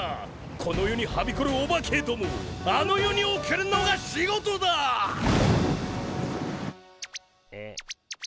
この世にはびこるオバケどもをあの世に送るのが仕事だ！え。